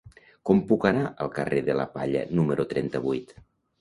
Com puc anar al carrer de la Palla número trenta-vuit?